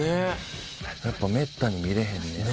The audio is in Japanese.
「やっぱめったに見れへんねや」